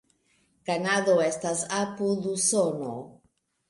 Kanado estas apud Usono.